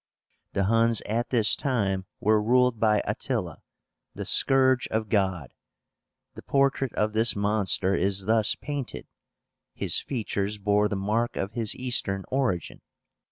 The Huns at this time were ruled by ATTILA, "the Scourge of God." The portrait of this monster is thus painted. His features bore the mark of his Eastern origin.